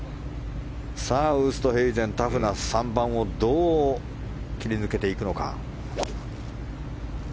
さあ、ウーストヘイゼンタフな３番をどう切り抜けていくか。